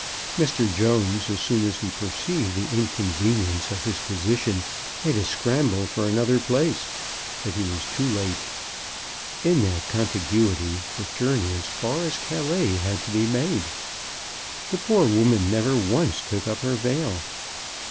Mr. Jones, as soon as he perceived the inconvenience of his position, made a scramble for another place, but he was too late. In that contiguity the journey as far as Calais had to be made. She, poor woman, never once took up her veil.